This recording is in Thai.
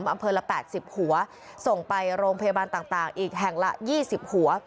อำเภอละแปดสิบหัวส่งไปโรงพยาบาลต่างต่างอีกแห่งละยี่สิบหัว